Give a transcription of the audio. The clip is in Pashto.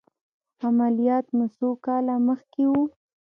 عملیات مو څو کاله مخکې و؟